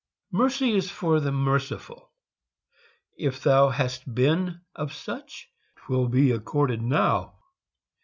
Mercy is for the merciful! if thou Hast been of such, 'twill be accorded now.